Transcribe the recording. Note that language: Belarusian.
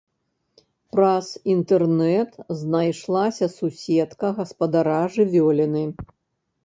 Праз інтэрнэт знайшлася суседка гаспадара жывёліны.